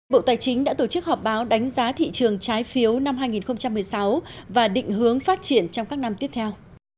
bộ tài chính đã tổ chức họp báo đánh giá thị trường trái phiếu năm hai nghìn một mươi sáu và định hướng phát triển trong các năm tiếp theo